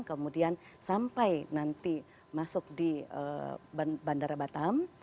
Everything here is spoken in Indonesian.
kemudian sampai nanti masuk di bandara batam